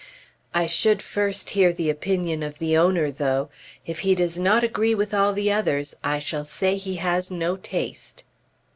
I should first hear the opinion of the owner, though. If he does not agree with all the others, I shall say he has no taste.